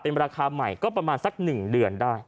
ราคาใหม่ก็ประมาณสัก๑เดือนได้